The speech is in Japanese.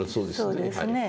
そうですね。